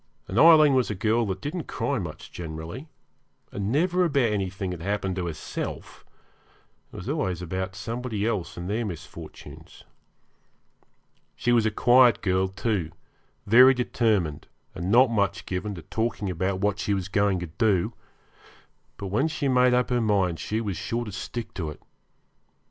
And Aileen was a girl that didn't cry much generally, and never about anything that happened to herself; it was always about somebody else and their misfortunes. She was a quiet girl, too, very determined, and not much given to talking about what she was going to do; but when she made up her mind she was sure to stick to it.